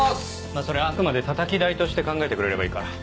それあくまでたたき台として考えてくれればいいから。